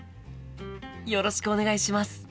よろしくお願いします。